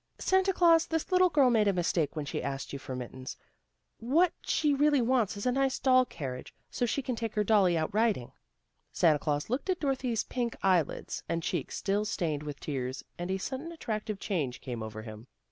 " Santa Glaus, this little girl made a mistake when she asked you for mittens. What she really wants is a nice doll carriage, so she can take her dolly out riding." Santa Glaus looked at Dorothy's pink eye lids, and cheeks still stained with tears, and a sudden attractive change came over him.